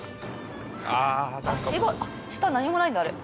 足場あっ下何もないんだあれ。